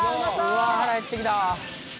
「うわあ腹へってきた」